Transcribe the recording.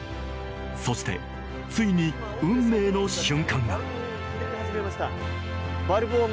そして、ついに運命の瞬間が。